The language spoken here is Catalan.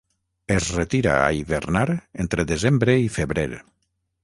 Es retira a hivernar entre desembre i febrer.